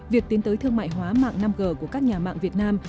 việc tiến tới thương mại hóa mạng năm g của các nhà mạng việt nam